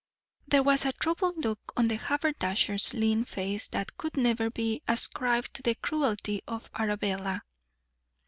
There was a troubled look on the haberdasher's lean face that could never be ascribed to the cruelty of Arabella.